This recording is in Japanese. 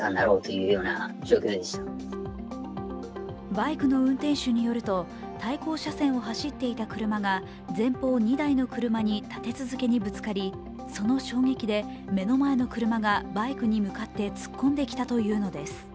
バイクの運転手によると、対向車線を走っていた車が前方２台の車に立て続けにぶつかりその衝撃で目の前の車がバイクに向かって突っ込んできたというのです。